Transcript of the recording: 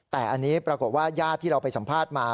แต่อันนี้ปรากฏว่าญาติที่เราไปสัมภาษณ์มา